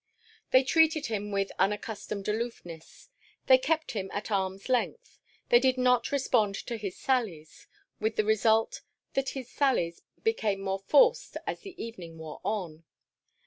They treated him with unaccustomed aloofness; they kept him at arm's length; they did not respond to his sallies; with the result that his sallies became more forced as the evening wore on.